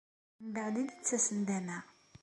Mbeεd i d-tettas nndama.